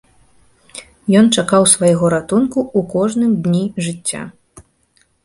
Ён чакаў свайго ратунку ў кожным дні жыцця.